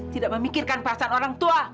tidak memikirkan perasaan orang tua